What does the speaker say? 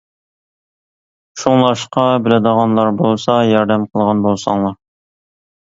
شۇڭلاشقا بىلىدىغانلار بولسا ياردەم قىلغان بولساڭلار.